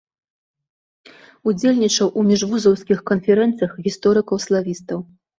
Удзельнічаў у міжвузаўскіх канферэнцыях гісторыкаў-славістаў.